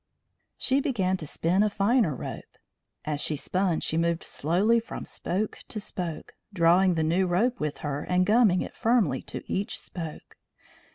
She began to spin a finer rope. As she spun she moved slowly from spoke to spoke, drawing the new rope with her and gumming it firmly to each spoke.